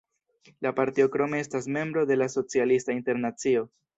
La partio krome estas membro de la Socialista Internacio.